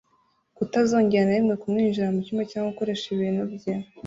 kutazongera na rimwe kumwinjirira mu cyumba cyangwa gukoresha ibintu bye